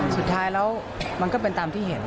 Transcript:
สุดท้ายแล้วมันก็เป็นตามที่เห็น